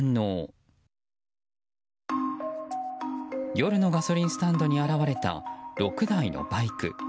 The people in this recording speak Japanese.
夜のガソリンスタンドに現れた６台のバイク。